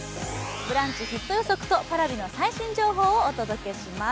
ブランチヒット予測とＰａｒａｖｉの最新情報をお届けします。